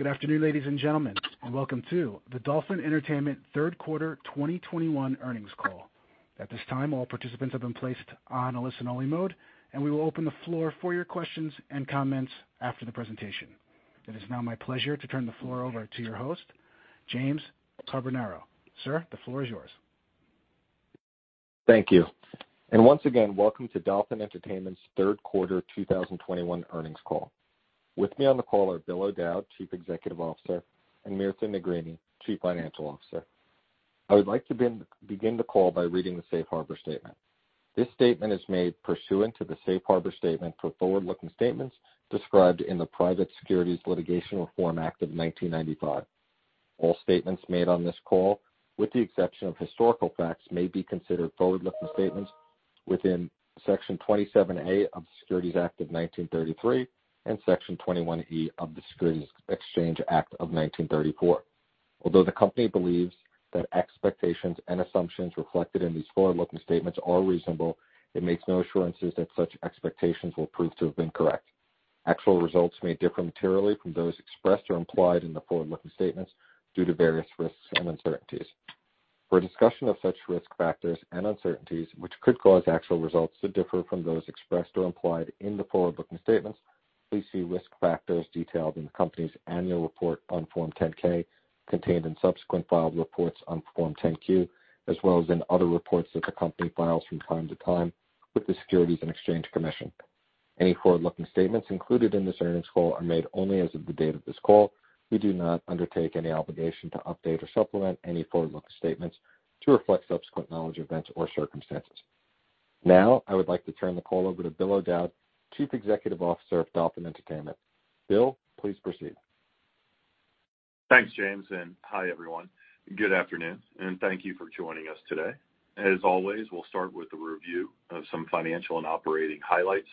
Good afternoon, ladies and gentlemen, and welcome to the Dolphin Entertainment Q3 2021 Earnings Call. At this time, all participants have been placed on a listen-only mode, and we will open the floor for your questions and comments after the presentation. It is now my pleasure to turn the floor over to your host, James Carbonara. Sir, the floor is yours. Thank you. Once again, welcome to Dolphin Entertainment's Q3 2021 Earnings Call. With me on the call are Bill O'Dowd, Chief Executive Officer, and Mirta Sanchez Negrini, Chief Financial Officer. I would like to begin the call by reading the safe harbor statement. This statement is made pursuant to the safe harbor statement for forward-looking statements described in the Private Securities Litigation Reform Act of 1995. All statements made on this call, with the exception of historical facts, may be considered forward-looking statements within Section 27A of the Securities Act of 1933 and Section 21E of the Securities Exchange Act of 1934. Although the company believes that expectations and assumptions reflected in these forward-looking statements are reasonable, it makes no assurances that such expectations will prove to have been correct. Actual results may differ materially from those expressed or implied in the forward-looking statements due to various risks and uncertainties. For a discussion of such risk factors and uncertainties, which could cause actual results to differ from those expressed or implied in the forward-looking statements, please see risk factors detailed in the company's annual report on Form 10-K, contained in subsequent filed reports on Form 10-Q, as well as in other reports that the company files from time to time with the Securities and Exchange Commission. Any forward-looking statements included in this earnings call are made only as of the date of this call. We do not undertake any obligation to update or supplement any forward-looking statements to reflect subsequent knowledge, events, or circumstances. Now, I would like to turn the call over to Bill O'Dowd, Chief Executive Officer of Dolphin Entertainment. Bill, please proceed. Thanks, James, and hi, everyone. Good afternoon, and thank you for joining us today. As always, we'll start with the review of some financial and operating highlights,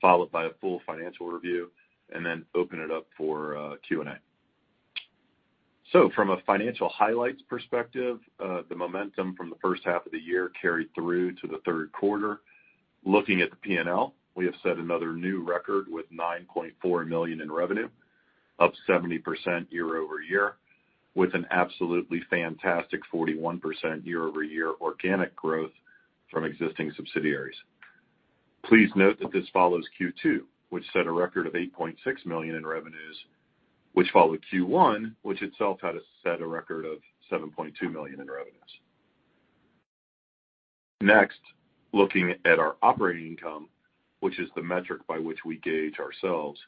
followed by a full financial review, and then open it up for Q&A. From a financial highlights perspective, the momentum from the H1 of the year carried through to the Q3. Looking at the P&L, we have set another new record with $9.4 million in revenue, up 70% year-over-year, with an absolutely fantastic 41% year-over-year organic growth from existing subsidiaries. Please note that this follows Q2, which set a record of $8.6 million in revenues, which followed Q1, which itself had set a record of $7.2 million in revenues. Next, looking at our operating income, which is the metric by which we gauge ourselves,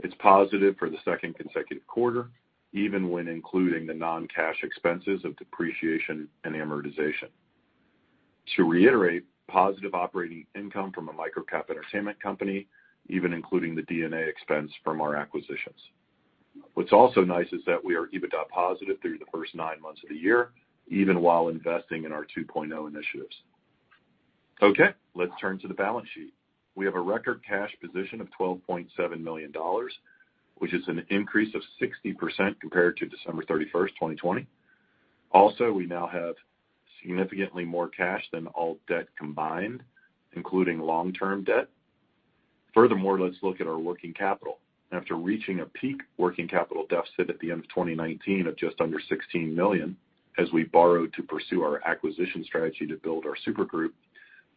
it's positive for the second consecutive quarter, even when including the non-cash expenses of depreciation and amortization. To reiterate, positive operating income from a microcap entertainment company, even including the D&A expense from our acquisitions. What's also nice is that we are EBITDA positive through the first nine months of the year, even while investing in our 2.0 initiatives. Okay, let's turn to the balance sheet. We have a record cash position of $12.7 million, which is an increase of 60% compared to December 31, 2020. Also, we now have significantly more cash than all debt combined, including long-term debt. Furthermore, let's look at our working capital. After reaching a peak working capital deficit at the end of 2019 of just under $16 million, as we borrowed to pursue our acquisition strategy to build our supergroup,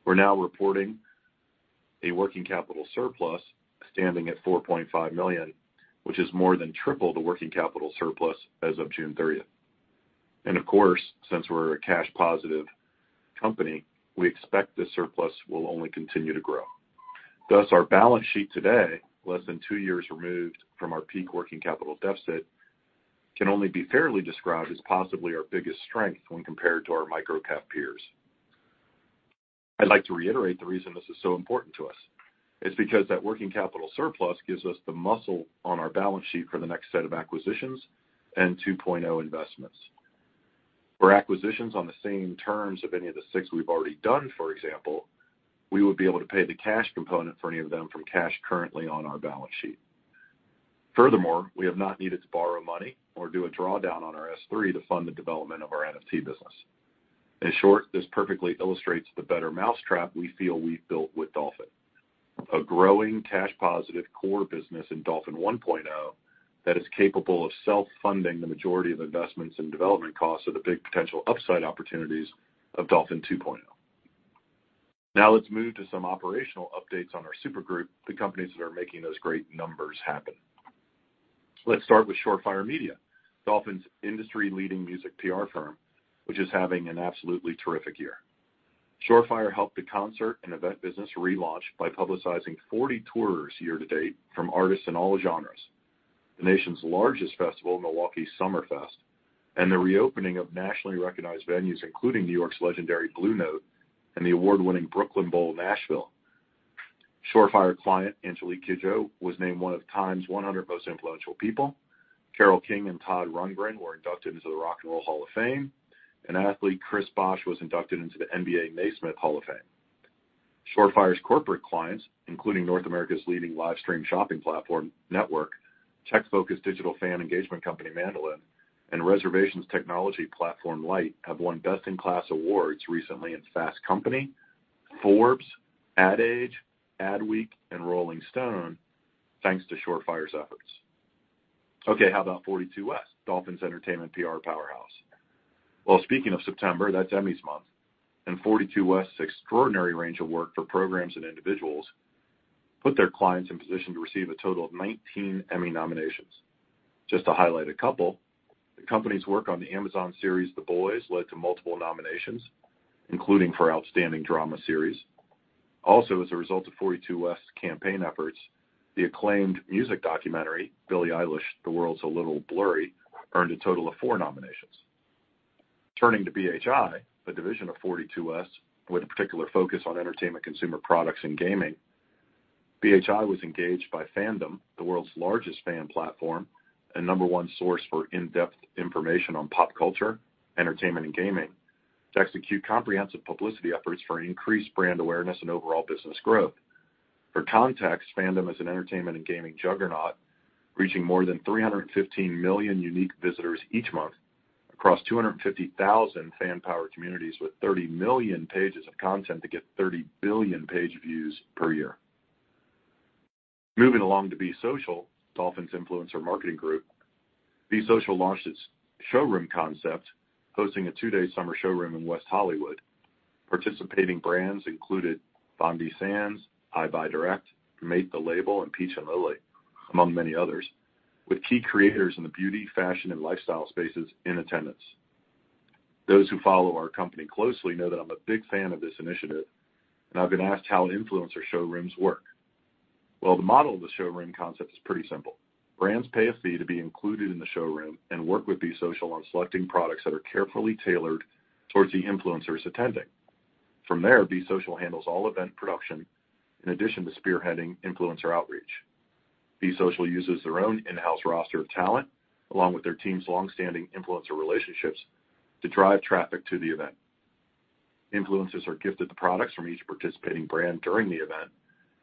we're now reporting a working capital surplus standing at $4.5 million, which is more than triple the working capital surplus as of June 30. Of course, since we're a cash positive company, we expect this surplus will only continue to grow. Thus, our balance sheet today, less than two years removed from our peak working capital deficit, can only be fairly described as possibly our biggest strength when compared to our microcap peers. I'd like to reiterate the reason this is so important to us. It's because that working capital surplus gives us the muscle on our balance sheet for the next set of acquisitions and 2.0 investments. For acquisitions on the same terms of any of the six we've already done, for example, we would be able to pay the cash component for any of them from cash currently on our balance sheet. Furthermore, we have not needed to borrow money or do a drawdown on our S-3 to fund the development of our NFT business. In short, this perfectly illustrates the better mousetrap we feel we've built with Dolphin. A growing cash positive core business in Dolphin 1.0 that is capable of self-funding the majority of investments and development costs of the big potential upside opportunities of Dolphin 2.0. Now, let's move to some operational updates on our supergroup, the companies that are making those great numbers happen. Let's start with Shore Fire Media, Dolphin's industry-leading music PR firm, which is having an absolutely terrific year. Shore Fire helped the concert and event business relaunch by publicizing 40 tours year to date from artists in all genres, the nation's largest festival, Milwaukee Summerfest, and the reopening of nationally recognized venues, including New York's legendary Blue Note and the award-winning Brooklyn Bowl, Nashville. Shore Fire client, Angélique Kidjo, was named one of Time's 100 most influential people. Carole King and Todd Rundgren were inducted into the Rock and Roll Hall of Fame, and athlete Chris Bosh was inducted into the Naismith Memorial Basketball Hall of Fame. Shore Fire's corporate clients, including North America's leading live stream shopping platform, NTWRK, tech-focused digital fan engagement company, Mandolin, and reservations technology platform Light have won Best in Class awards recently in Fast Company, Forbes, Ad Age, Adweek, and Rolling Stone, thanks to Shore Fire's efforts. Okay, how about 42West, Dolphin's entertainment PR powerhouse? Well, speaking of September, that's Emmys month, and 42West's extraordinary range of work for programs and individuals put their clients in position to receive a total of 19 Emmy nominations. Just to highlight a couple, the company's work on the Amazon series, The Boys, led to multiple nominations, including for Outstanding Drama Series. Also, as a result of 42West's campaign efforts, the acclaimed music documentary, Billie Eilish: The World's a Little Blurry, earned a total of four nominations. Turning to BHI, the division of 42West, with a particular focus on entertainment consumer products and gaming. BHI was engaged by Fandom, the world's largest fan platform and number one source for in-depth information on pop culture, entertainment, and gaming, to execute comprehensive publicity efforts for increased brand awareness and overall business growth. For context, Fandom is an entertainment and gaming juggernaut, reaching more than 315 million unique visitors each month across 250,000 fan-powered communities with 30 million pages of content that get 30 billion page views per year. Moving along to Be Social, Dolphin's influencer marketing group. Be Social launched its showroom concept, hosting a two-day summer showroom in West Hollywood. Participating brands included Bondi Sands, EyeBuyDirect, MATE the Label, and Peach & Lily, among many others, with key creators in the beauty, fashion, and lifestyle spaces in attendance. Those who follow our company closely know that I'm a big fan of this initiative, and I've been asked how influencer showrooms work. Well, the model of the showroom concept is pretty simple. Brands pay a fee to be included in the showroom and work with Be Social on selecting products that are carefully tailored towards the influencers attending. From there, Be Social handles all event production in addition to spearheading influencer outreach. Be Social uses their own in-house roster of talent, along with their team's long-standing influencer relationships to drive traffic to the event. Influencers are gifted the products from each participating brand during the event,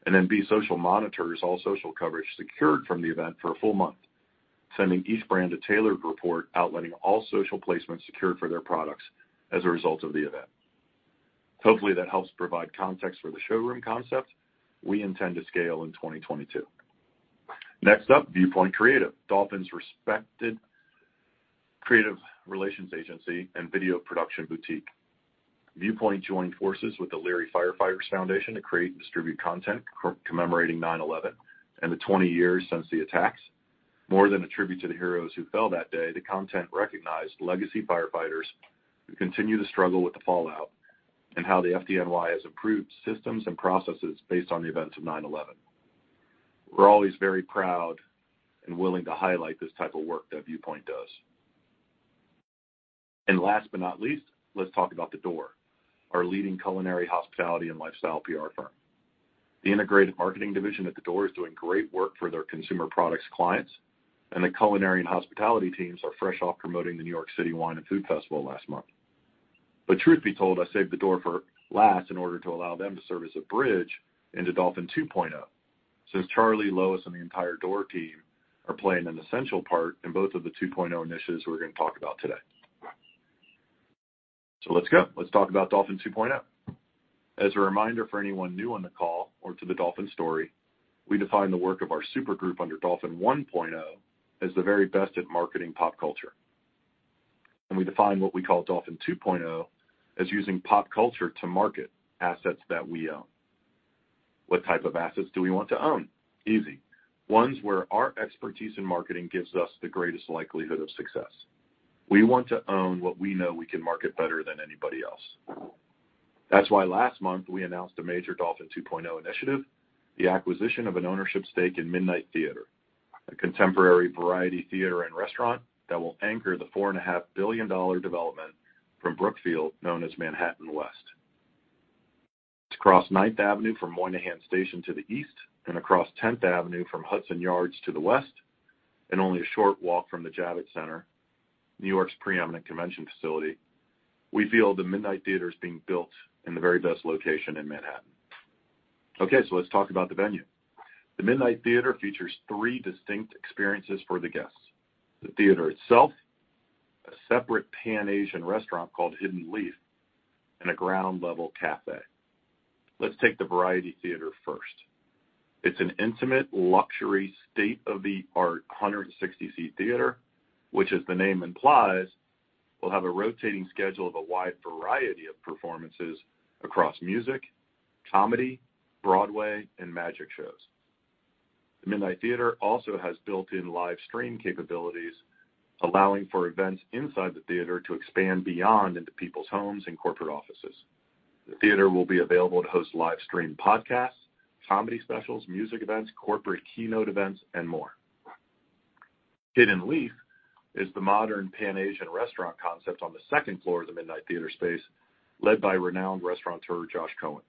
and then Be Social monitors all social coverage secured from the event for a full month, sending each brand a tailored report outlining all social placements secured for their products as a result of the event. Hopefully, that helps provide context for the showroom concept we intend to scale in 2022. Next up, Viewpoint Creative, Dolphin's respected creative relations agency and video production boutique. Viewpoint joined forces with the Leary Firefighters Foundation to create and distribute content commemorating 9/11 and the 20 years since the attacks. More than a tribute to the heroes who fell that day, the content recognized legacy firefighters who continue to struggle with the fallout and how the FDNY has improved systems and processes based on the events of 9/11. We're always very proud and willing to highlight this type of work that Viewpoint does. Last but not least, let's talk about The Door, our leading culinary, hospitality, and lifestyle PR firm. The integrated marketing division at The Door is doing great work for their consumer products clients, and the culinary and hospitality teams are fresh off promoting the New York City Wine & Food Festival last month. Truth be told, I saved The Door for last in order to allow them to serve as a bridge into Dolphin 2.0, since Charlie, Lois, and the entire Door team are playing an essential part in both of the 2.0 initiatives we're gonna talk about today. Let's go. Let's talk about Dolphin 2.0. As a reminder for anyone new on the call or to the Dolphin story, we define the work of our supergroup under Dolphin 1.0 as the very best at marketing pop culture. We define what we call Dolphin 2.0 as using pop culture to market assets that we own. What type of assets do we want to own? Easy. Ones where our expertise in marketing gives us the greatest likelihood of success. We want to own what we know we can market better than anybody else. That's why last month, we announced a major Dolphin 2.0 initiative, the acquisition of an ownership stake in Midnight Theatre, a contemporary variety theater and restaurant that will anchor the $4.5 billion development from Brookfield known as Manhattan West. It's across Ninth Avenue from Moynihan Station to the east and across Tenth Avenue from Hudson Yards to the west, and only a short walk from the Javits Center, New York's preeminent convention facility. We feel the Midnight Theatre is being built in the very best location in Manhattan. Okay, so let's talk about the venue. The Midnight Theatre features three distinct experiences for the guests: the theater itself, a separate Pan-Asian restaurant called Hidden Leaf, and a ground-level café. Let's take the variety theater first. It's an intimate, luxury, state-of-the-art 160-seat theatre, which, as the name implies, will have a rotating schedule of a wide variety of performances across music, comedy, Broadway, and magic shows. The Midnight Theatre also has built-in live stream capabilities, allowing for events inside the theatre to expand beyond into people's homes and corporate offices. The theatre will be available to host live stream podcasts, comedy specials, music events, corporate keynote events, and more. Hidden Leaf is the modern Pan-Asian restaurant concept on the second floor of the Midnight Theatre space, led by renowned restaurateur Josh Cohen.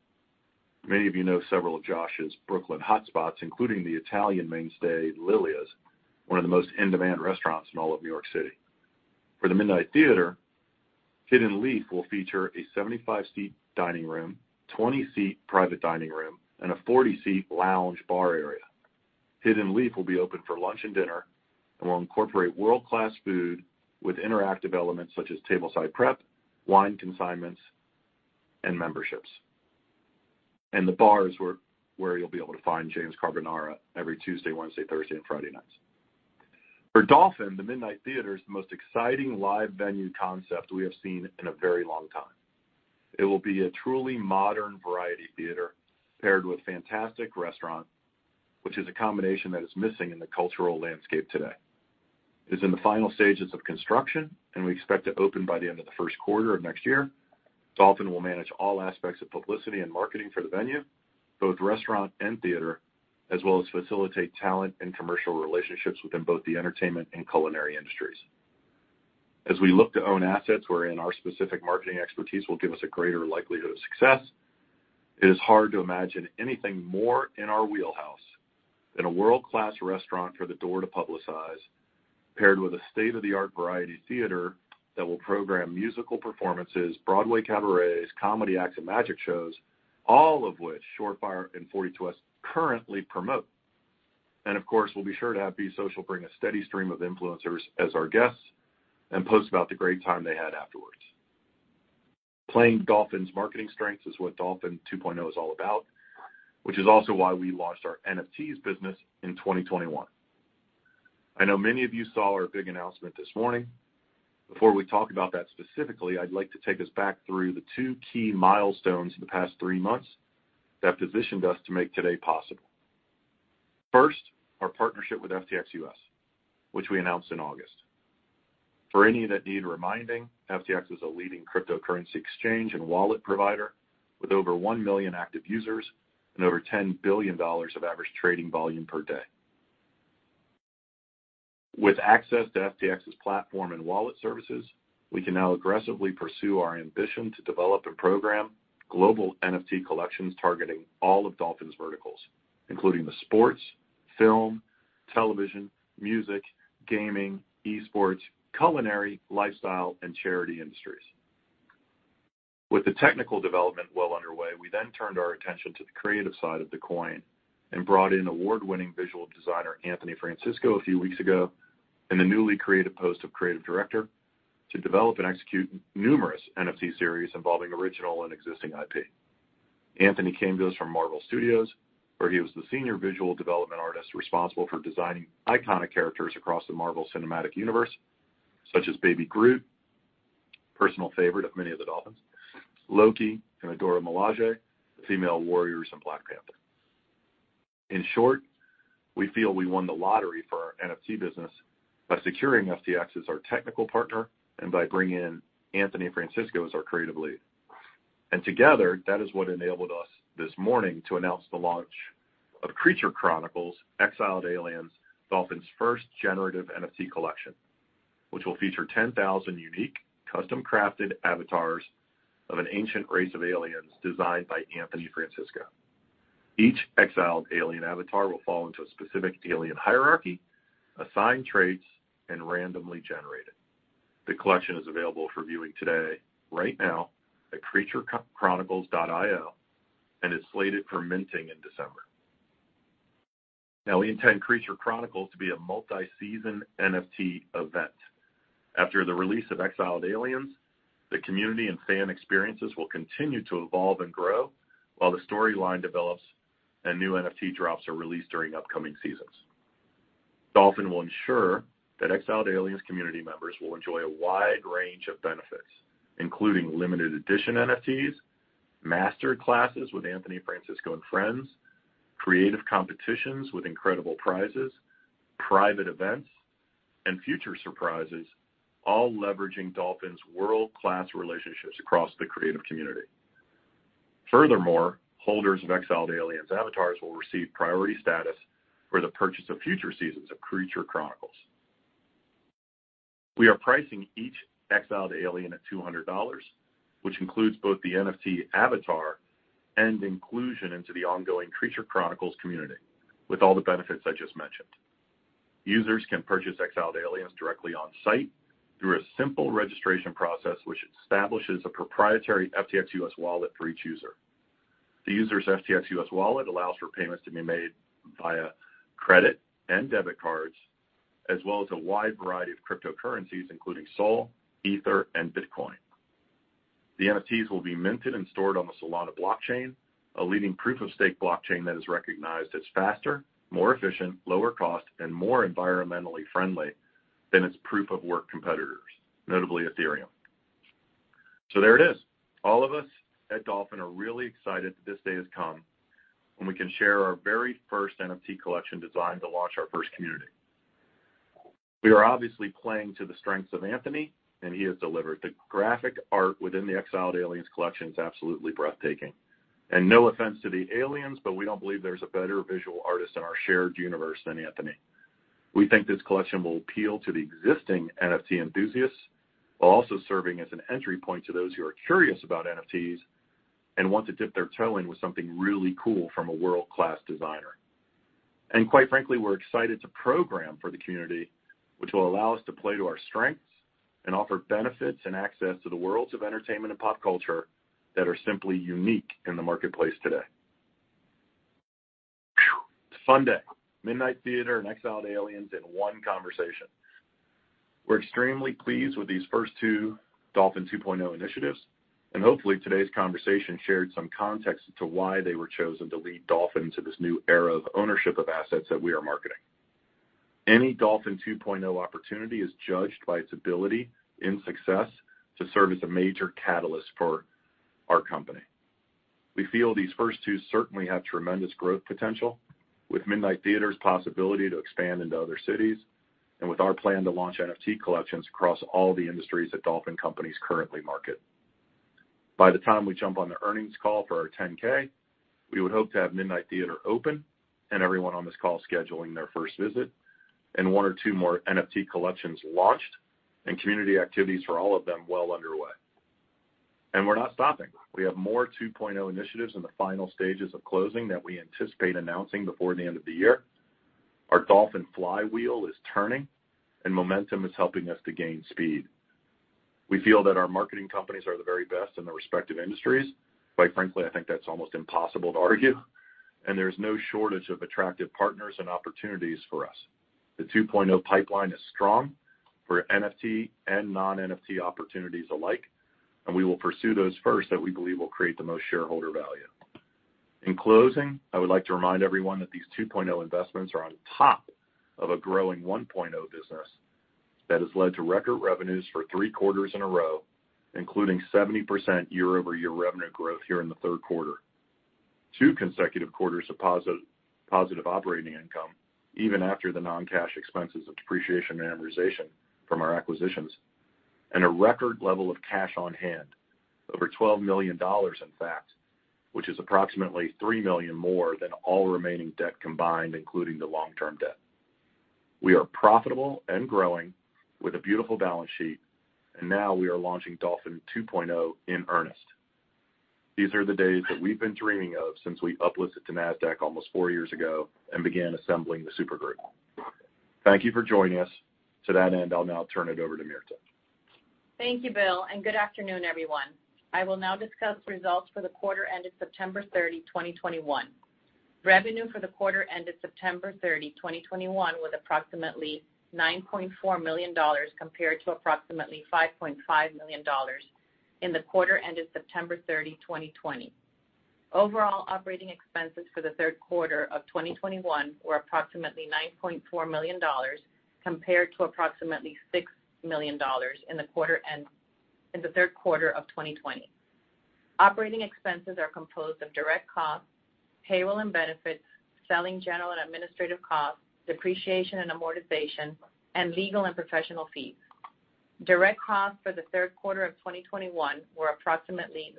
Many of you know several of Josh's Brooklyn hotspots, including the Italian mainstay Lilia's, one of the most in-demand restaurants in all of New York City. For the Midnight Theatre, Hidden Leaf will feature a 75-seat dining room, 20-seat private dining room, and a 40-seat lounge bar area. Hidden Leaf will be open for lunch and dinner and will incorporate world-class food with interactive elements such as tableside prep, wine consignments, and memberships. The bar is where you'll be able to find James Carbonara every Tuesday, Wednesday, Thursday, and Friday nights. For Dolphin, the Midnight Theatre is the most exciting live venue concept we have seen in a very long time. It will be a truly modern variety theater paired with a fantastic restaurant, which is a combination that is missing in the cultural landscape today. It's in the final stages of construction, and we expect to open by the end of the Q1 of next year. Dolphin will manage all aspects of publicity and marketing for the venue, both restaurant and theater, as well as facilitate talent and commercial relationships within both the entertainment and culinary industries. As we look to own assets wherein our specific marketing expertise will give us a greater likelihood of success, it is hard to imagine anything more in our wheelhouse than a world-class restaurant for The Door to publicize, paired with a state-of-the-art variety theater that will program musical performances, Broadway cabarets, comedy acts, and magic shows, all of which Shore Fire and 42West currently promote. Of course, we'll be sure to have Be Social bring a steady stream of influencers as our guests and post about the great time they had afterwards. Playing Dolphin's marketing strengths is what Dolphin 2.0 is all about, which is also why we launched our NFTs business in 2021. I know many of you saw our big announcement this morning. Before we talk about that specifically, I'd like to take us back through the two key milestones in the past three months that positioned us to make today possible. First, our partnership with FTX.US, which we announced in August. For any that need reminding, FTX is a leading cryptocurrency exchange and wallet provider with over 1 million active users and over $10 billion of average trading volume per day. With access to FTX's platform and wallet services, we can now aggressively pursue our ambition to develop and program global NFT collections targeting all of Dolphin's verticals, including the sports, film, television, music, gaming, esports, culinary, lifestyle, and charity industries. With the technical development well underway, we then turned our attention to the creative side of the coin and brought in award-winning visual designer Anthony Francisco a few weeks ago in the newly created post of creative director to develop and execute numerous NFT series involving original and existing IP. Anthony came to us from Marvel Studios, where he was the senior visual development artist responsible for designing iconic characters across the Marvel Cinematic Universe, such as Baby Groot, personal favorite of many of the Dolphin's, Loki and Dora Milaje, the female warriors in Black Panther. In short, we feel we won the lottery for our NFT business by securing FTX as our technical partner and by bringing in Anthony Francisco as our creative lead. Together, that is what enabled us this morning to announce the launch of Creature Chronicles: Exiled Aliens, Dolphin's first generative NFT collection, which will feature 10,000 unique custom-crafted avatars of an ancient race of aliens designed by Anthony Francisco. Each exiled alien avatar will fall into a specific alien hierarchy, assigned traits, and randomly generated. The collection is available for viewing today, right now, at creaturechronicles.io, and is slated for minting in December. Now, we intend Creature Chronicles to be a multi-season NFT event. After the release of Exiled Aliens, the community and fan experiences will continue to evolve and grow while the storyline develops and new NFT drops are released during upcoming seasons. Dolphin will ensure that Exiled Aliens community members will enjoy a wide range of benefits, including limited edition NFTs, master classes with Anthony Francisco and friends, creative competitions with incredible prizes, private events, and future surprises, all leveraging Dolphin's world-class relationships across the creative community. Furthermore, holders of Exiled Aliens avatars will receive priority status for the purchase of future seasons of Creature Chronicles. We are pricing each Exiled Alien at $200, which includes both the NFT avatar and inclusion into the ongoing Creature Chronicles community with all the benefits I just mentioned. Users can purchase Exiled Aliens directly on-site through a simple registration process which establishes a proprietary FTX.US wallet for each user. The user's FTX.US wallet allows for payments to be made via credit and debit cards as well as a wide variety of cryptocurrencies, including Sol, Ether, and Bitcoin. The NFTs will be minted and stored on the Solana blockchain, a leading proof of stake blockchain that is recognized as faster, more efficient, lower cost, and more environmentally friendly than its proof of work competitors, notably Ethereum. There it is. All of us at Dolphin are really excited that this day has come, and we can share our very first NFT collection designed to launch our first community. We are obviously playing to the strengths of Anthony, and he has delivered. The graphic art within the Exiled Aliens collection is absolutely breathtaking. No offense to the aliens, but we don't believe there's a better visual artist in our shared universe than Anthony. We think this collection will appeal to the existing NFT enthusiasts while also serving as an entry point to those who are curious about NFTs and want to dip their toe in with something really cool from a world-class designer. Quite frankly, we're excited to program for the community, which will allow us to play to our strengths and offer benefits and access to the worlds of entertainment and pop culture that are simply unique in the marketplace today. Phew, it's fun day. Midnight Theatre and Exiled Aliens in one conversation. We're extremely pleased with these first two Dolphin 2.0 initiatives, and hopefully today's conversation shared some context to why they were chosen to lead Dolphin to this new era of ownership of assets that we are marketing. Any Dolphin 2.0 opportunity is judged by its ability in its success to serve as a major catalyst for our company. We feel these first two certainly have tremendous growth potential with Midnight Theatre's possibility to expand into other cities and with our plan to launch NFT collections across all the industries that Dolphin companies currently market. By the time we jump on the earnings call for our 10-K, we would hope to have Midnight Theatre open and everyone on this call scheduling their first visit, and one or two more NFT collections launched and community activities for all of them well underway. We're not stopping. We have more 2.0 initiatives in the final stages of closing that we anticipate announcing before the end of the year. Our Dolphin flywheel is turning and momentum is helping us to gain speed. We feel that our marketing companies are the very best in their respective industries. Quite frankly, I think that's almost impossible to argue, and there's no shortage of attractive partners and opportunities for us. The 2.0 pipeline is strong for NFT and non-NFT opportunities alike, and we will pursue those first that we believe will create the most shareholder value. In closing, I would like to remind everyone that these 2.0 investments are on top of a growing 1.0 business that has led to record revenues for three quarters in a row, including 70% year-over-year revenue growth here in the Q3. Two consecutive quarters of positive operating income even after the non-cash expenses of depreciation and amortization from our acquisitions, and a record level of cash on hand, over $12 million in fact, which is approximately $3 million more than all remaining debt combined, including the long-term debt. We are profitable and growing with a beautiful balance sheet, and now we are launching Dolphin 2.0 in earnest. These are the days that we've been dreaming of since we uplisted to Nasdaq almost four years ago and began assembling the supergroup. Thank you for joining us. To that end, I'll now turn it over to Mirta. Thank you, Bill, and good afternoon, everyone. I will now discuss results for the quarter ended September 30, 2021. Revenue for the quarter ended September 30, 2021, was approximately $9.4 million compared to approximately $5.5 million in the quarter ended September 30, 2020. Overall operating expenses for the Q3 of 2021 were approximately $9.4 million compared to approximately $6 million in the Q3 of 2020. Operating expenses are composed of direct costs, payroll and benefits, selling, general and administrative costs, depreciation and amortization, and legal and professional fees. Direct costs for the Q3 of 2021 were approximately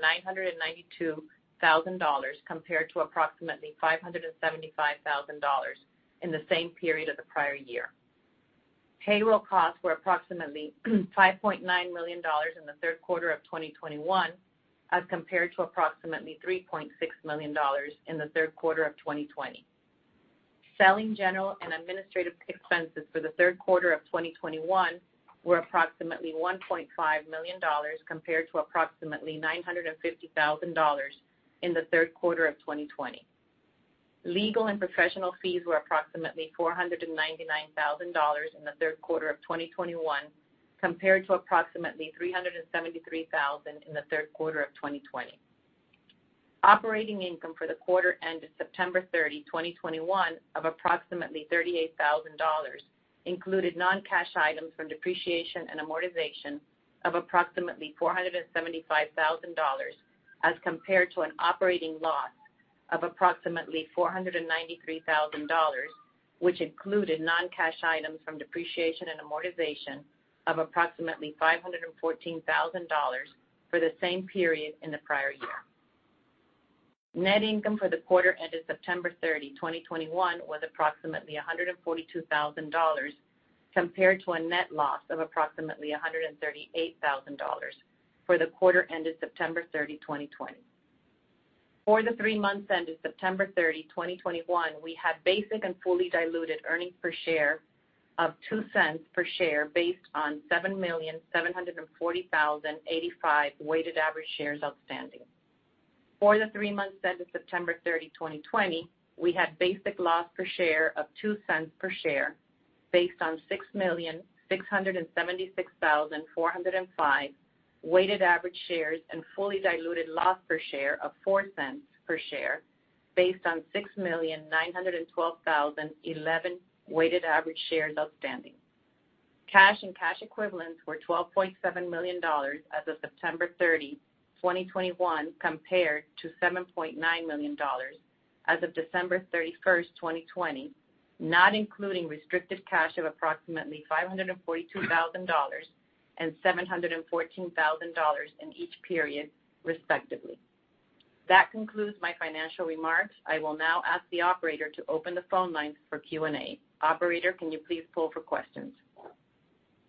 $992,000 compared to approximately $575,000 in the same period of the prior year. Payroll costs were approximately $5.9 million in the Q3 of 2021 as compared to approximately $3.6 million in the Q3 of 2020. Selling, general and administrative expenses for the Q3 of 2021 were approximately $1.5 million compared to approximately $950 thousand in the Q3 of 2020. Legal and professional fees were approximately $499 thousand in the Q3 of 2021 compared to approximately $373 thousand in the Q3 of 2020. Operating income for the quarter ended September 30, 2021 of approximately $38,000 included non-cash items from depreciation and amortization of approximately $475,000 as compared to an operating loss of approximately $493,000, which included non-cash items from depreciation and amortization of approximately $514,000 for the same period in the prior year. Net income for the quarter ended September 30, 2021, was approximately $142,000 compared to a net loss of approximately $138,000 for the quarter ended September 30, 2020. For the three months ended September 30, 2021, we had basic and fully diluted earnings per share of $0.02 per share based on 7,740,085 weighted average shares outstanding. For the three months ended September 30, 2020, we had basic loss per share of $0.02 per share based on 6,676,405 weighted average shares and fully diluted loss per share of $0.04 per share based on 6,912,011 weighted average shares outstanding. Cash and cash equivalents were $12.7 million as of September 30, 2021, compared to $7.9 million as of December 31, 2020, not including restricted cash of approximately $542,000 and $714,000 in each period, respectively. That concludes my financial remarks. I will now ask the operator to open the phone lines for Q&A. Operator, can you please poll for questions?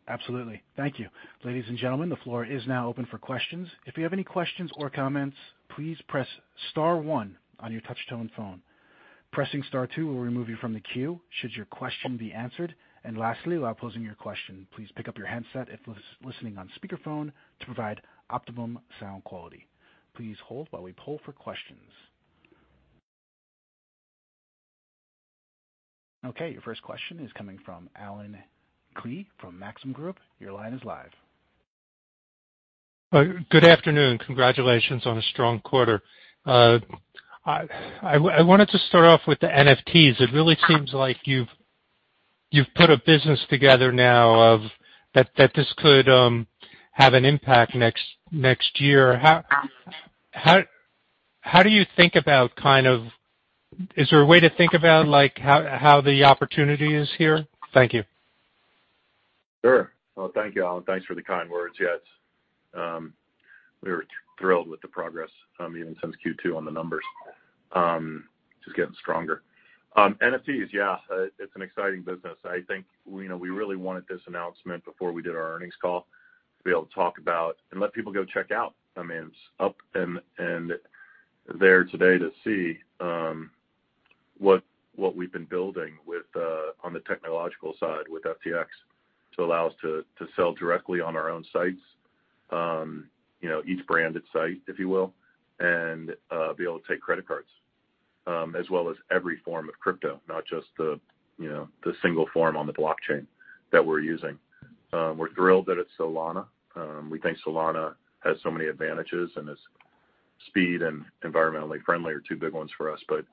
Absolutely. Thank you. Ladies and gentlemen, the floor is now open for questions. If you have any questions or comments, please press star one on your touchtone phone. Pressing star two will remove you from the queue should your question be answered. Lastly, while posing your question, please pick up your handset if listening on speakerphone to provide optimum sound quality. Please hold while we poll for questions. Okay, your first question is coming from Allen Klee from Maxim Group. Your line is live. Good afternoon. Congratulations on a strong quarter. I wanted to start off with the NFTs. It really seems like you've put a business together now that this could have an impact next year. How do you think about kind of. Is there a way to think about like how the opportunity is here? Thank you. Sure. Well, thank you, Allen. Thanks for the kind words. Yes. We were thrilled with the progress, even since Q2 on the numbers, just getting stronger. NFTs, yeah, it's an exciting business. I think, you know, we really wanted this announcement before we did our earnings call to be able to talk about and let people go check out. I mean, it's up and there today to see what we've been building with on the technological side with FTX to allow us to sell directly on our own sites, you know, each branded site, if you will, and be able to take credit cards as well as every form of crypto, not just the, you know, the single form on the blockchain that we're using. We're thrilled that it's Solana. We think Solana has so many advantages, and its speed and environmentally friendly are two big ones for us, but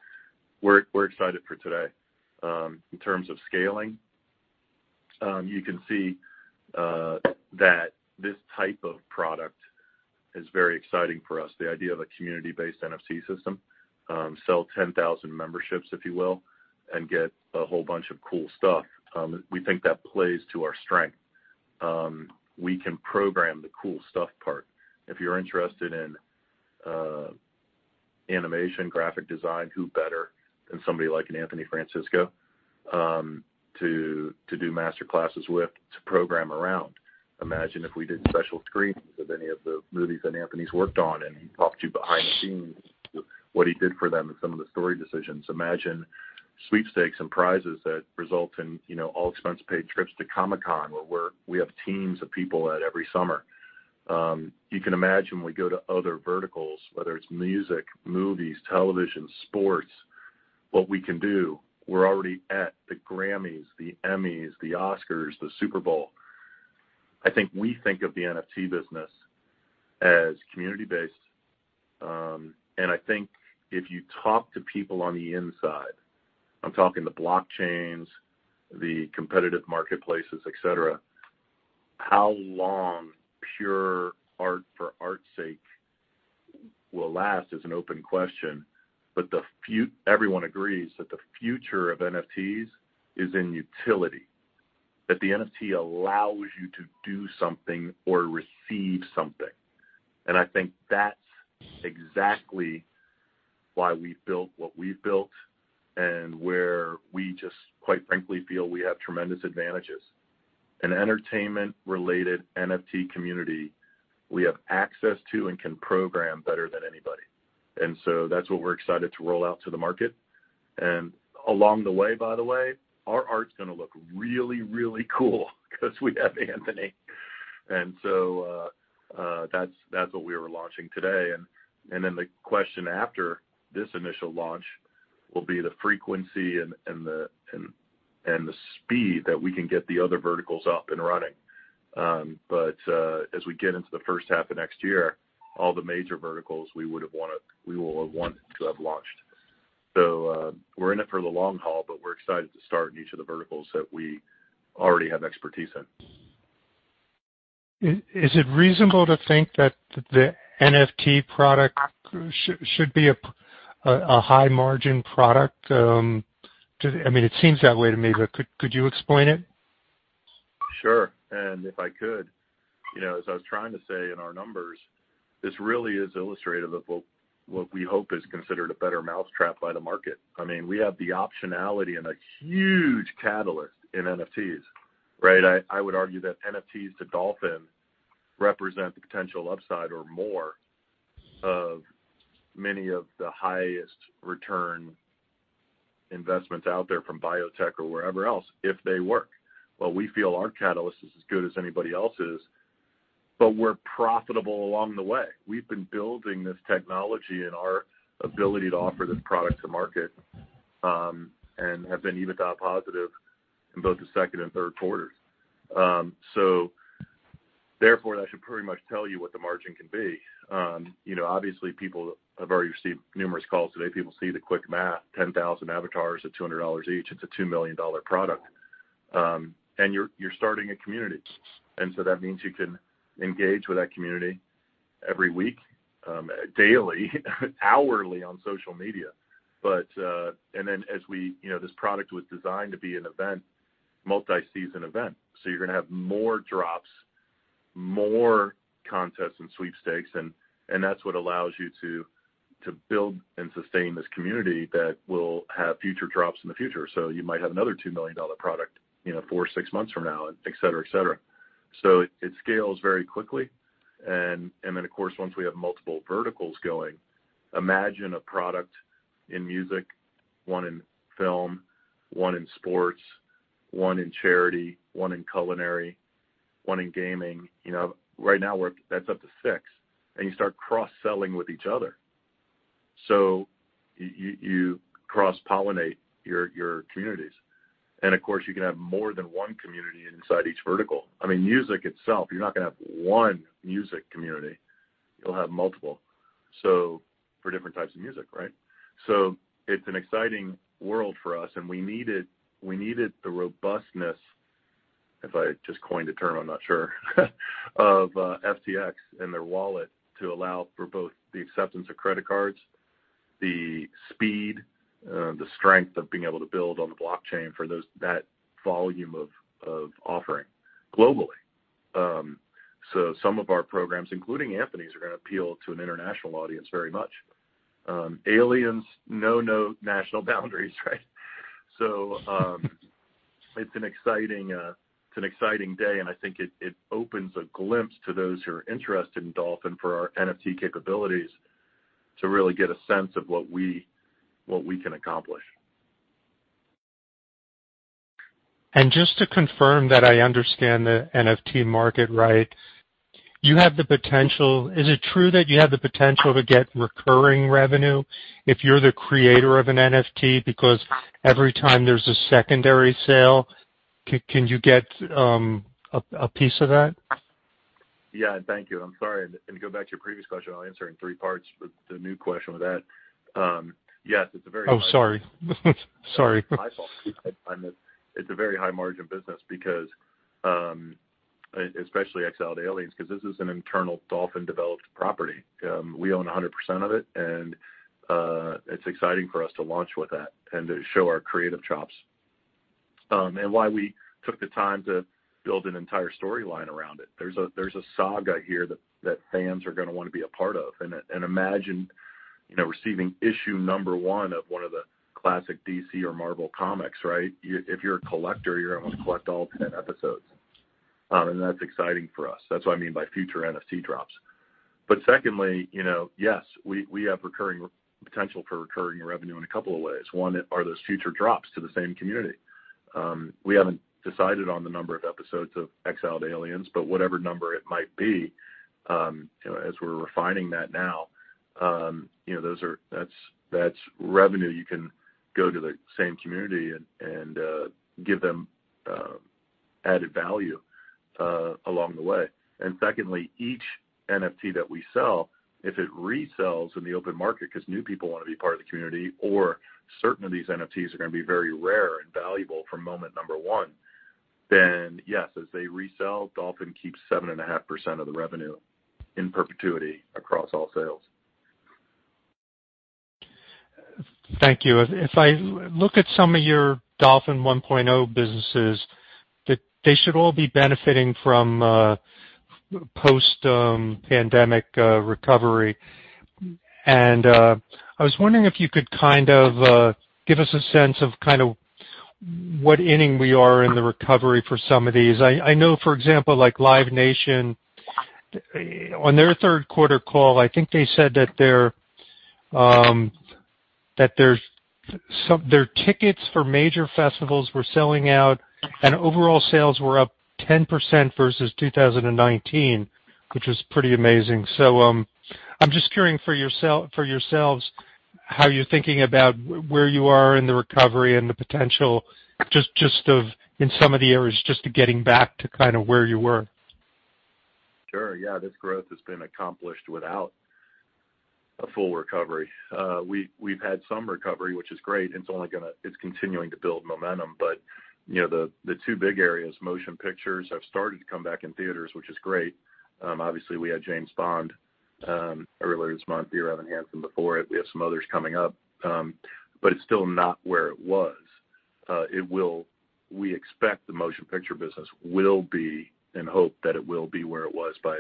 we're excited for today. In terms of scaling, you can see that this type of product is very exciting for us. The idea of a community-based NFT system, sell 10,000 memberships, if you will, and get a whole bunch of cool stuff, we think that plays to our strength. We can program the cool stuff part. If you're interested in animation, graphic design, who better than somebody like an Anthony Francisco to do master classes with to program around? Imagine if we did special screenings of any of the movies that Anthony's worked on, and he talked to you behind the scenes what he did for them and some of the story decisions. Imagine sweepstakes and prizes that result in, you know, all-expense paid trips to Comic-Con, where we have teams of people at every summer. You can imagine we go to other verticals, whether it's music, movies, television, sports, what we can do. We're already at the Grammys, the Emmys, the Oscars, the Super Bowl. I think we think of the NFT business as community-based. I think if you talk to people on the inside, I'm talking the blockchains, the competitive marketplaces, et cetera, how long pure art for art's sake will last is an open question. Everyone agrees that the future of NFTs is in utility, that the NFT allows you to do something or receive something. I think that's exactly why we've built what we've built and where we just, quite frankly, feel we have tremendous advantages. An entertainment-related NFT community we have access to and can program better than anybody. That's what we're excited to roll out to the market. Along the way, by the way, our art's gonna look really, really cool because we have Anthony. That's what we are launching today. Then the question after this initial launch will be the frequency and the speed that we can get the other verticals up and running. As we get into the H1 of next year, all the major verticals we will have wanted to have launched. We're in it for the long haul, but we're excited to start in each of the verticals that we already have expertise in. Is it reasonable to think that the NFT product should be a high-margin product? I mean, it seems that way to me, but could you explain it? Sure. If I could, you know, as I was trying to say in our numbers, this really is illustrative of what we hope is considered a better mousetrap by the market. I mean, we have the optionality and a huge catalyst in NFTs, right? I would argue that NFTs to Dolphin represent the potential upside or more of many of the highest return investments out there from biotech or wherever else, if they work. Well, we feel our catalyst is as good as anybody else's, but we're profitable along the way. We've been building this technology and our ability to offer this product to market, and have been EBITDA positive in both the second and third quarters. Therefore, that should pretty much tell you what the margin can be. You know, obviously people have already received numerous calls today. People see the quick math, 10,000 avatars at $200 each, it's a $2 million product. You're starting a community. That means you can engage with that community every week, daily, hourly on social media. You know, this product was designed to be an event, multi-season event. You're gonna have more drops, more contests and sweepstakes, and that's what allows you to build and sustain this community that will have future drops in the future. You might have another $2 million product, you know, four or six months from now, et cetera, et cetera. It scales very quickly. Then of course, once we have multiple verticals going, imagine a product in music, one in film, one in sports, one in charity, one in culinary, one in gaming. You know, right now that's up to six, and you start cross-selling with each other. You cross-pollinate your communities. Of course, you can have more than one community inside each vertical. I mean, music itself, you're not gonna have one music community, you'll have multiple, so for different types of music, right? It's an exciting world for us, and we needed the robustness, if I just coined a term, I'm not sure of, FTX and their wallet to allow for both the acceptance of credit cards, the speed, the strength of being able to build on the blockchain for that volume of offering globally. Some of our programs, including Anthony's, are gonna appeal to an international audience very much. Aliens know no national boundaries, right? It's an exciting day, and I think it opens a glimpse to those who are interested in Dolphin for our NFT capabilities to really get a sense of what we can accomplish. Just to confirm that I understand the NFT market right, you have the potential. Is it true that you have the potential to get recurring revenue if you're the creator of an NFT? Because every time there's a secondary sale, can you get a piece of that? Yeah. Thank you. I'm sorry. To go back to your previous question, I'll answer in three parts, but the new question with that. Yes, it's a very- Sorry. My fault. It's a very high-margin business because especially Exiled Aliens, because this is an internal Dolphin-developed property. We own 100% of it, and it's exciting for us to launch with that and to show our creative chops, and why we took the time to build an entire storyline around it. There's a saga here that fans are gonna wanna be a part of. Imagine, you know, receiving issue number one of one of the classic DC Comics or Marvel Comics, right? If you're a collector, you're gonna collect all 10 episodes. That's exciting for us. That's what I mean by future NFT drops. Secondly, you know, yes, we have potential for recurring revenue in a couple of ways. One are those future drops to the same community. We haven't decided on the number of episodes of Exiled Aliens, but whatever number it might be, you know, as we're refining that now, you know, that's revenue you can give to the same community and give them added value along the way. Secondly, each NFT that we sell, if it resells in the open market 'cause new people wanna be part of the community, or certain of these NFTs are gonna be very rare and valuable from moment number one, then yes, as they resell, Dolphin keeps 7.5% of the revenue in perpetuity across all sales. Thank you. If I look at some of your Dolphin 1.0 businesses, that they should all be benefiting from post-pandemic recovery. I was wondering if you could kind of give us a sense of kind of what inning we are in the recovery for some of these. I know, for example, like Live Nation on their third quarter call, I think they said that their tickets for major festivals were selling out and overall sales were up 10% versus 2019, which was pretty amazing. I'm just curious for yourselves, how you're thinking about where you are in the recovery and the potential just of in some of the areas, just getting back to kind of where you were. Sure. Yeah. This growth has been accomplished without a full recovery. We've had some recovery, which is great, and it's continuing to build momentum. You know, the two big areas, motion pictures, have started to come back in theaters, which is great. Obviously we had James Bond earlier this month, Dear Evan Hansen before it. We have some others coming up. It's still not where it was. We expect the motion picture business will be, and hope that it will be where it was by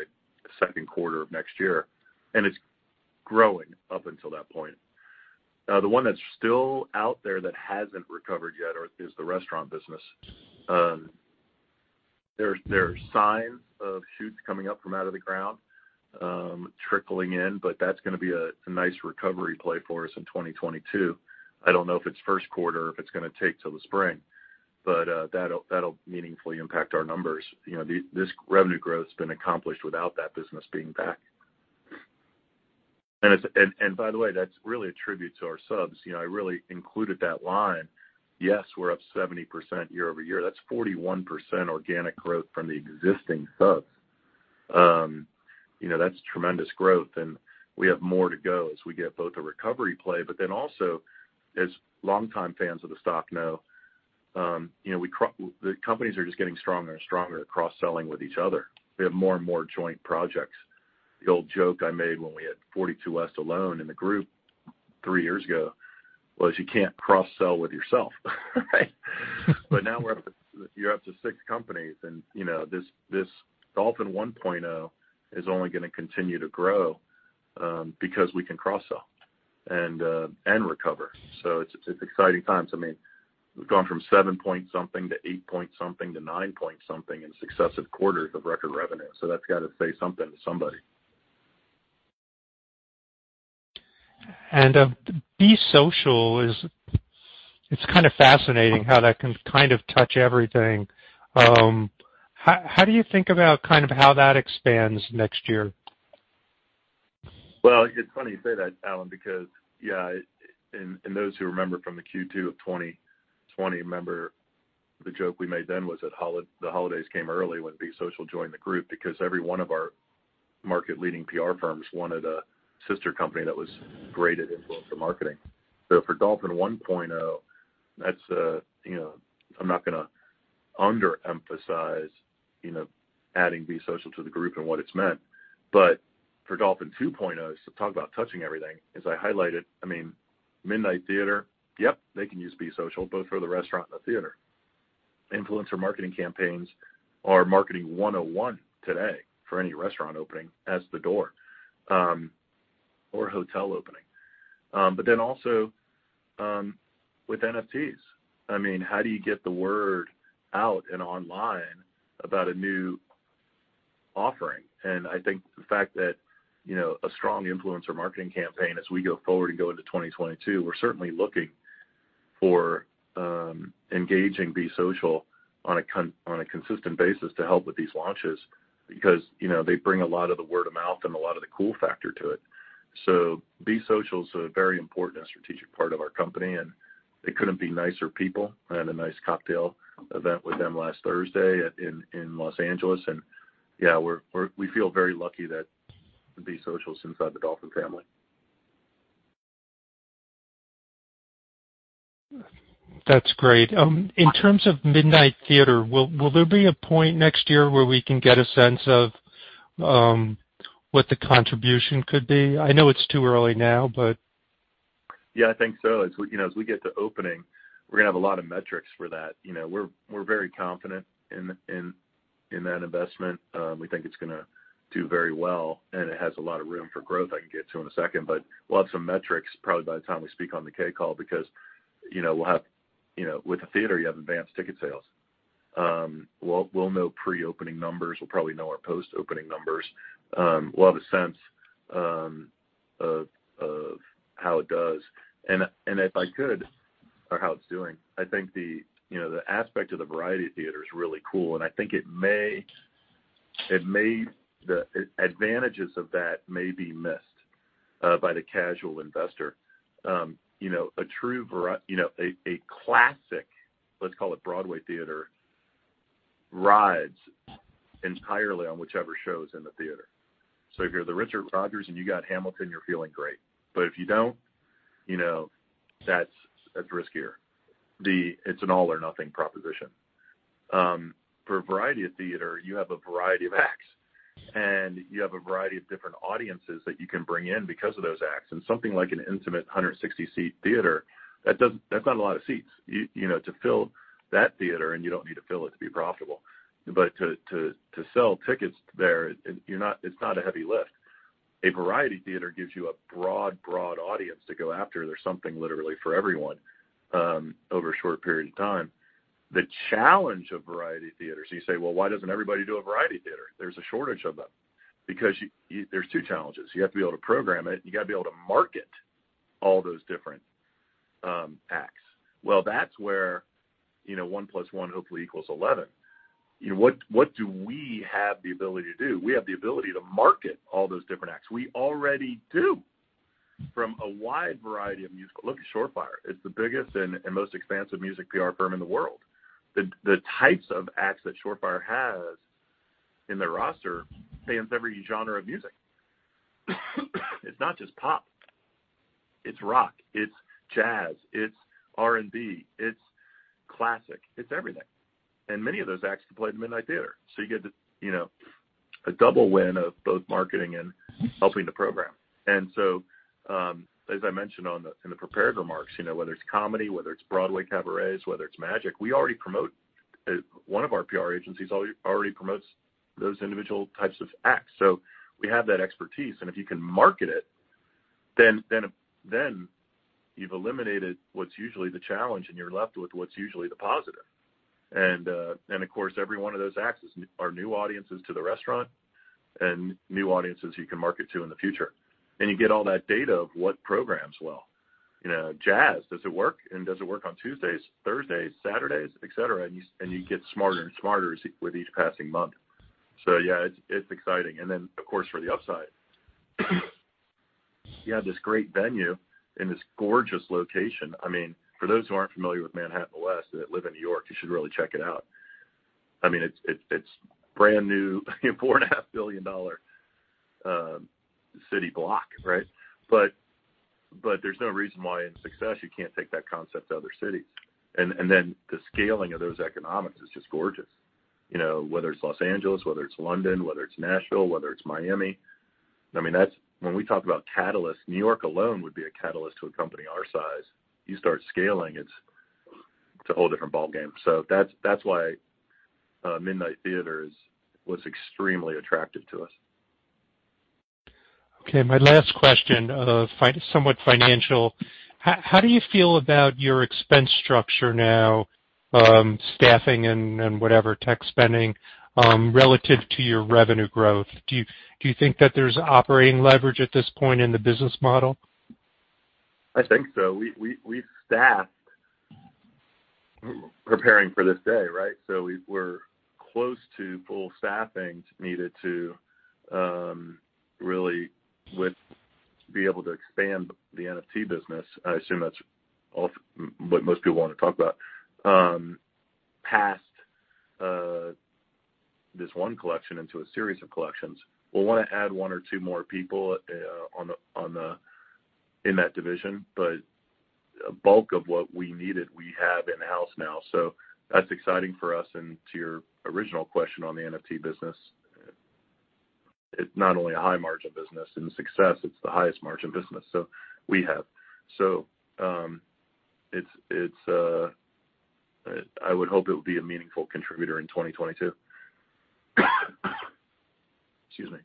second quarter of next year, and it's growing up until that point. The one that's still out there that hasn't recovered yet is the restaurant business. There are signs of shoots coming up from out of the ground, trickling in, but that's gonna be a nice recovery play for us in 2022. I don't know if it's first quarter or if it's gonna take till the spring, but that'll meaningfully impact our numbers. You know, this revenue growth has been accomplished without that business being back. And by the way, that's really a tribute to our subs. You know, I really included that line. Yes, we're up 70% year-over-year. That's 41% organic growth from the existing subs. You know, that's tremendous growth, and we have more to go as we get both a recovery play, but then also, as longtime fans of the stock know, you know, the companies are just getting stronger and stronger at cross-selling with each other. We have more and more joint projects. The old joke I made when we had 42West alone in the group three years ago was, you can't cross-sell with yourself, right? But now you're up to six companies and, you know, this Dolphin 1.0 is only gonna continue to grow, because we can cross-sell and recover. It's exciting times. I mean, we've gone from seven point something to eight point something to nine point something in successive quarters of record revenue. That's got to say something to somebody. Be Social is, it's kind of fascinating how that can kind of touch everything. How do you think about kind of how that expands next year? Well, it's funny you say that, Allen, because, yeah, and those who remember from the Q2 of 2020 remember the joke we made then was that the holidays came early when Be Social joined the group because every one of our market-leading PR firms wanted a sister company that was great at influencer marketing. For Dolphin 1.0, that's, you know, I'm not gonna underemphasize, you know, adding Be Social to the group and what it's meant. For Dolphin 2.0, talk about touching everything, as I highlighted, I mean, Midnight Theatre, yep, they can use Be Social both for the restaurant and the theater. Influencer marketing campaigns are Marketing 101 today for any restaurant opening as The Door, or hotel opening. With NFTs, I mean, how do you get the word out and online about a new offering? I think the fact that, you know, a strong influencer marketing campaign as we go forward and go into 2022, we're certainly looking for, engaging Be Social on a consistent basis to help with these launches because, you know, they bring a lot of the word-of-mouth and a lot of the cool factor to it. Be Social is a very important and strategic part of our company, and they couldn't be nicer people. I had a nice cocktail event with them last Thursday in Los Angeles. Yeah, we feel very lucky that Be Social's inside the Dolphin family. That's great. In terms of Midnight Theatre, will there be a point next year where we can get a sense of what the contribution could be? I know it's too early now, but. Yeah, I think so. As we get to opening, we're gonna have a lot of metrics for that. You know, we're very confident in that investment. We think it's gonna do very well, and it has a lot of room for growth I can get to in a second. We'll have some metrics probably by the time we speak on the K call because, you know, we'll have, you know, with the theater you have advanced ticket sales. We'll know pre-opening numbers. We'll probably know our post-opening numbers. We'll have a sense of how it does or how it's doing. I think the aspect of the variety theater is really cool, and I think the advantages of that may be missed by the casual investor. You know, a true variety theater, you know, a classic, let's call it Broadway theater, rides entirely on whichever show is in the theater. If you're the Richard Rodgers and you got Hamilton, you're feeling great. But if you don't, you know, that's riskier. It's an all or nothing proposition. For a variety theater, you have a variety of acts, and you have a variety of different audiences that you can bring in because of those acts. Something like an intimate 160-seat theater, that's not a lot of seats. You know, to fill that theater, and you don't need to fill it to be profitable, but to sell tickets there, it's not a heavy lift. A variety theater gives you a broad audience to go after. There's something literally for everyone over a short period of time. The challenge of variety theaters, you say, "Well, why doesn't everybody do a variety theater?" There's a shortage of them. Because there's two challenges. You have to be able to program it, and you got to be able to market all those different acts. Well, that's where, you know, one plus one hopefully equals 11. You know, what do we have the ability to do? We have the ability to market all those different acts. We already do from a wide variety of music. Look at Shore Fire. It's the biggest and most expansive music PR firm in the world. The types of acts that Shore Fire has in their roster spans every genre of music. It's not just pop, it's rock, it's jazz, it's R&B, it's classic, it's everything. Many of those acts can play at Midnight Theatre. You get, you know, a double win of both marketing and helping to program. As I mentioned in the prepared remarks, you know, whether it's comedy, whether it's Broadway cabarets, whether it's magic, we already promote. One of our PR agencies already promotes those individual types of acts. We have that expertise. If you can market it, then you've eliminated what's usually the challenge, and you're left with what's usually the positive. Of course, every one of those acts are new audiences to the restaurant and new audiences you can market to in the future. You get all that data on what programs well. You know, jazz, does it work? Does it work on Tuesdays, Thursdays, Saturdays, et cetera? You get smarter and smarter with each passing month. Yeah, it's exciting. Of course, for the upside, you have this great venue in this gorgeous location. I mean, for those who aren't familiar with Manhattan West and who live in New York, you should really check it out. I mean, it's brand new, $4.5 billion city block, right? There's no reason why in success you can't take that concept to other cities. Then the scaling of those economics is just gorgeous. You know, whether it's Los Angeles, whether it's London, whether it's Nashville, whether it's Miami. I mean, that's when we talk about catalyst, New York alone would be a catalyst to a company our size. You start scaling, it's a whole different ballgame. That's why Midnight Theatre was extremely attractive to us. Okay, my last question, somewhat financial. How do you feel about your expense structure now, staffing and whatever tech spending, relative to your revenue growth? Do you think that there's operating leverage at this point in the business model? I think so. We staffed preparing for this day, right? We're close to full staffing needed to really be able to expand the NFT business. I assume that's what most people wanna talk about, past this one collection into a series of collections. We'll wanna add one or two more people in that division, but bulk of what we needed, we have in-house now. That's exciting for us. To your original question on the NFT business, it's not only a high margin business. In success, it's the highest margin business, so we have. I would hope it will be a meaningful contributor in 2022. Excuse me.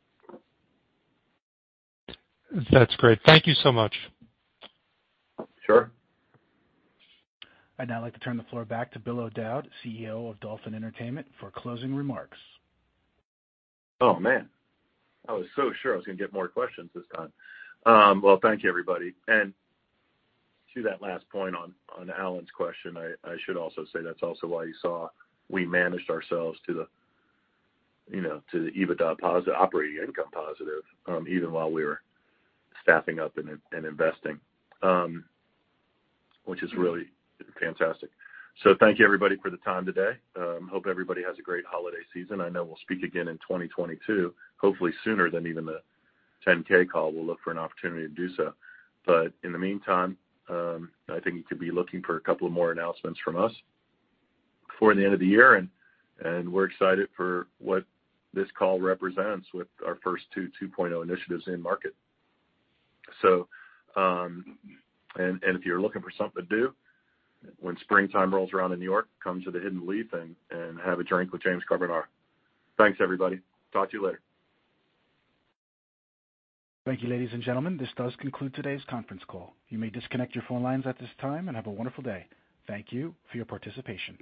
That's great. Thank you so much. Sure. I'd now like to turn the floor back to Bill O'Dowd, CEO of Dolphin Entertainment, for closing remarks. Oh, man. I was so sure I was gonna get more questions this time. Well, thank you everybody. To that last point on Allen Klee's question, I should also say that's also why you saw we managed ourselves to the, you know, to the EBITDA operating income positive, even while we were staffing up and investing, which is really fantastic. Thank you everybody for the time today. Hope everybody has a great holiday season. I know we'll speak again in 2022, hopefully sooner than even the 10-K call. We'll look for an opportunity to do so. In the meantime, I think you could be looking for a couple of more announcements from us before the end of the year, and we're excited for what this call represents with our first 2.0 initiatives in market. If you're looking for something to do when springtime rolls around in New York, come to the Hidden Leaf and have a drink with James Carbonara. Thanks, everybody. Talk to you later. Thank you, ladies and gentlemen. This does conclude today's conference call. You may disconnect your phone lines at this time and have a wonderful day. Thank you for your participation.